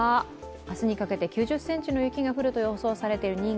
明日にかけて９０ｃｍの雪が降ると予想されている新潟